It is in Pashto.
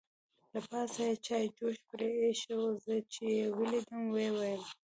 له پاسه یې چای جوش پرې اېښې وه، زه چې یې ولیدم ویې ویل.